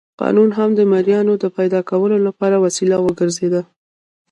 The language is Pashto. قانون هم د مریانو د پیدا کولو لپاره وسیله وګرځېده.